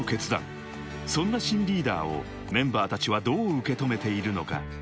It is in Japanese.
［そんな新リーダーをメンバーたちはどう受け止めているのか］